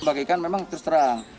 pembagikan memang terserang